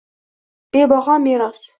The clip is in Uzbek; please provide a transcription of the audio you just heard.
Bebaho meros